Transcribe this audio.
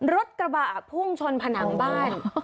รถกระบะพุ่งชนผนังบ้าน